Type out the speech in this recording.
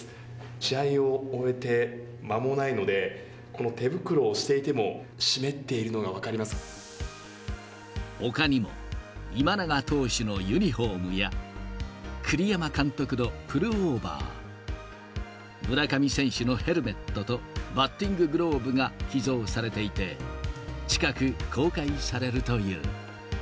試合を終えてまもないので、この手袋をしていても、湿っていほかにも、今永投手のユニホームや、栗山監督のプルオーバー、村上選手のヘルメットとバッティンググローブが寄贈されていて、近く公開されるという。